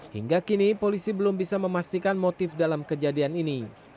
hingga kini polisi belum bisa memastikan motif dalam kejadian ini